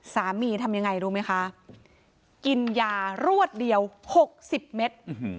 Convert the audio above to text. ทำยังไงรู้ไหมคะกินยารวดเดียว๖๐เมตร